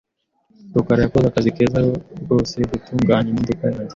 rukara yakoze akazi keza rose gutunganya imodoka yanjye .